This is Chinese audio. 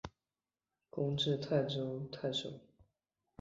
官至泰州太守。